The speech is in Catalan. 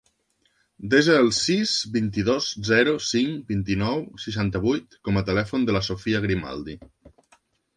Desa el sis, vint-i-dos, zero, cinc, vint-i-nou, seixanta-vuit com a telèfon de la Sophia Grimaldi.